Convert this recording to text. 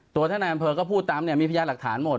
ตัวท่านนายอำเภอก็พูดตามเนี่ยมีพยานหลักฐานหมด